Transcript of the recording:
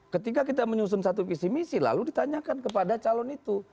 ketika kita menyusun satu visi misi lalu ditanyakan kepada calon itu